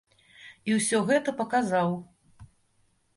І ўсё гэта паказаў.